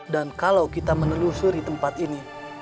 dan kalau kita menelusuri tempat ini